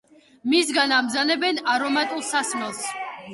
მისგან ამზადებენ არომატულ სასმელს.